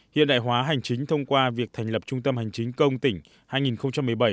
hiện đại hóa hành chính thông qua việc thành lập trung tâm hành chính công tỉnh hai nghìn một mươi bảy